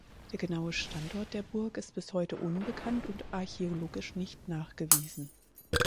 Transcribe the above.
Der genaue Standort der Burg ist bis heute unbekannt und archäologisch nicht nachgewiesen.